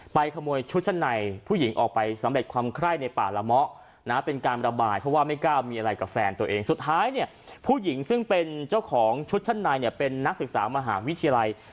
ไปขโมยชุดชั้นในผู้หญิงออกไป